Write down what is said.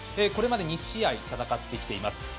これまで２試合戦ってきています。